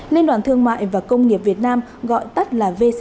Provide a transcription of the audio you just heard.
liên đoàn thương mại và công nghiệp việt nam gọi tắt cho các loại chỗ giảm vé